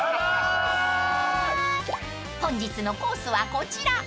［本日のコースはこちら］